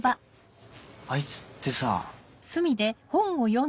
あいつってさぁ。